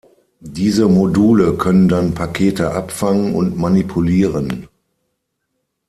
Diese Module können dann Pakete abfangen und manipulieren.